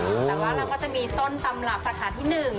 แต่ว่าเราก็จะมีต้นตำรับสาขาที่๑